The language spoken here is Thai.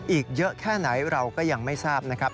อีกเยอะแค่ไหนเราก็ยังไม่ทราบนะครับ